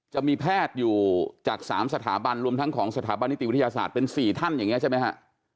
จะมีแพทย์อยู่จาก๓สถาบันรวมทั้งของสถาบันนิติวิทยาศาสตร์เป็น๔ท่านอย่างนี้ใช่ไหมฮะ